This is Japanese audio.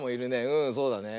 うんそうだね。